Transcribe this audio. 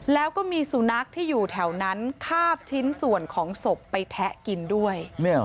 แล้วก็มีสุนัขที่อยู่แถวนั้นคาบชิ้นส่วนของศพไปแทะกินด้วย